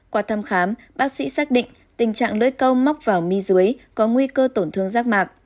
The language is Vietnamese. qua thăm khám bác sĩ xác định tình trạng lưỡi câu móc vào mi dưới có nguy cơ tổn thương rác mạc